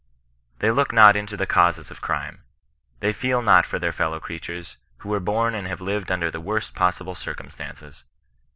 They look not into the causes of crime. They feel not for their fellow creatures, who were bom and have lived under the worst possible circumstances.